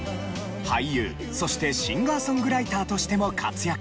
俳優そしてシンガーソングライターとしても活躍。